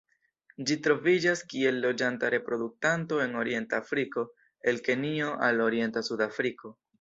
Ĝi troviĝas kiel loĝanta reproduktanto en orienta Afriko el Kenjo al orienta Sudafriko.